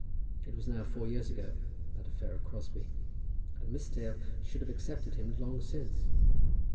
It was now four years ago, that affair of Crosbie, and Miss Dale should have accepted him long since.